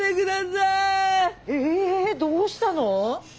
ええどうしたの？